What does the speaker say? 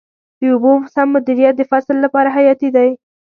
د اوبو سم مدیریت د فصل لپاره حیاتي دی.